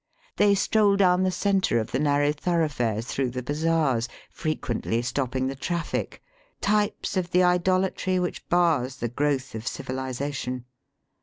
They stroll down the centre of the narrow thoroughfares through the bazaars, frequently stopping the traffic, types of the idolatry which bars the growth of civilization.